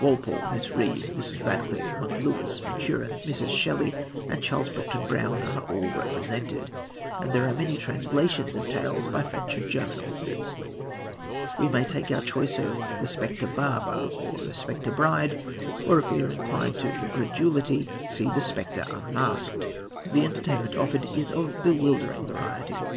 Walpole, Miss Reeve, Mrs. Radcliffe, "Monk" Lewis, Maturin, Mrs. Shelley, and Charles Brockden Brown are all represented; and there are many translations of tales by French and German authors. We may take our choice of The Spectre Barber or The Spectre Bride, or, if we are inclined to incredulity, see The Spectre Unmasked. The entertainment offered is of bewildering variety.